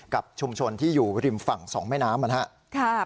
กับชุมชนที่อยู่ริมฝั่งสองแม่น้ำ